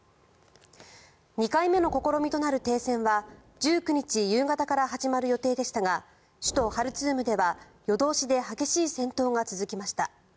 ２回目の試みとなる停戦は１９日夕方から始まる予定でしたが首都ハルツームでは、夜通しで激しい戦闘が続きました。